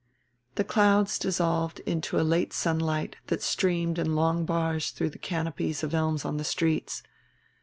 The clouds dissolved into a late sunlight that streamed in long bars through the canopies of elms on the streets.